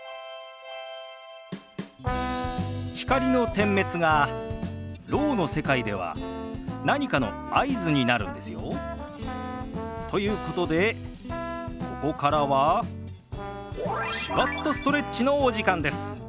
光の点滅がろうの世界では何かの合図になるんですよ。ということでここからは「手話っとストレッチ」のお時間です。